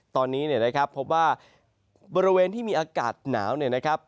ตอนนี้นะครับเพราะว่าบริเวณที่มีอากาศหนาวนะครับ